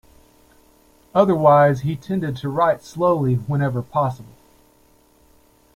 Otherwise, he tended to write slowly whenever possible.